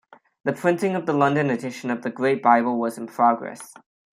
The printing of the London edition of the Great Bible was in progress.